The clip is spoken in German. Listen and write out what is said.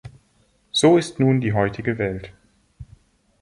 So ist nun die heutige Welt.